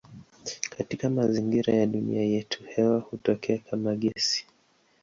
Katika mazingira ya dunia yetu hewa hutokea kama gesi.